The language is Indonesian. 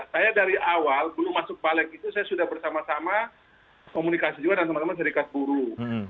saya dari awal belum masuk balik itu saya sudah bersama sama komunikasi juga dengan teman teman serikat buruh